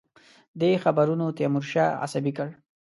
دې خبرونو تیمورشاه عصبي کړ.